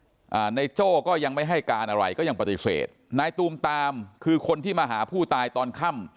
อ่านายโจ้ก็ยังไม่ให้การอะไรก็ยังปฏิเสธนายตูมตามคือคนที่มาหาผู้ตายตอนค่ำ